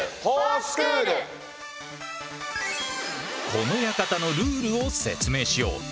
この館のルールを説明しよう。